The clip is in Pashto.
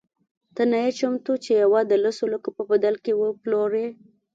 ته نه یې چمتو چې یوه د لسو لکو په بدل کې وپلورې.